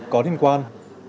có liên quan